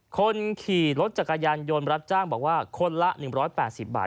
คนขี่รถจักรยานยนต์รับจ้างบอกว่าคนละ๑๘๐บาท